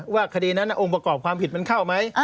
ว่าคดีนั้นองค์ประกอบความผิดมันเข้าไหม